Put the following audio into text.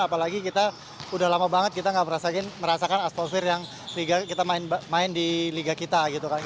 apalagi kita sudah lama banget kita nggak merasakan astosfir yang kita main di liga kita